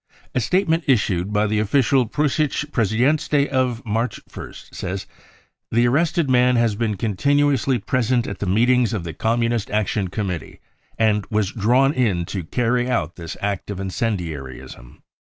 A statement issued by the official Preussische Pressedienst of March 1st says :" The arrested man has been continuously present at the meetings of the Communist Action Committee and was drawn in to carry out the act of incendiarism."